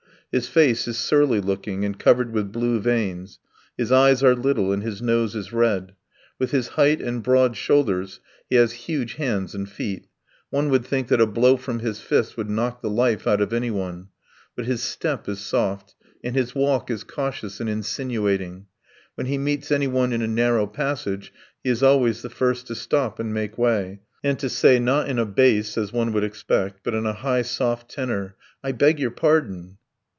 His face is surly looking and covered with blue veins, his eyes are little and his nose is red. With his height and broad shoulders he has huge hands and feet; one would think that a blow from his fist would knock the life out of anyone, but his step is soft, and his walk is cautious and insinuating; when he meets anyone in a narrow passage he is always the first to stop and make way, and to say, not in a bass, as one would expect, but in a high, soft tenor: "I beg your pardon!"